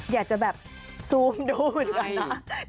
อยากจะแบบซูมดูดก่อนนะ